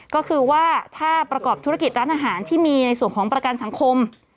ก็คือว่าถ้าประกอบธุรกิจร้านอาหารที่มีในส่วนของประกันสังคม